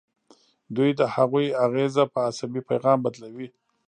دوی د هغوی اغیزه په عصبي پیغام بدلوي.